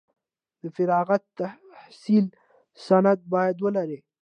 د فراغت تحصیلي سند باید ولري.